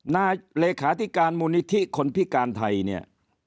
นาเลขาธิการมูลนิธิคนพิการไทย